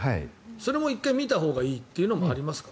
それも１回見たほうがいいというのもありますか？